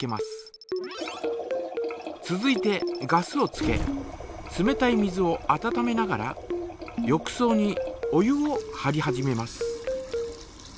続いてガスをつけ冷たい水を温めながら浴そうにお湯をはり始めます。